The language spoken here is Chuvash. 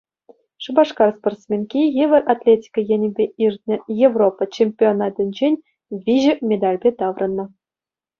Шупашкар спортсменки йывӑр атлетика енӗпе иртнӗ Европа чемпионатӗнчен виҫӗ медальпе таврӑннӑ.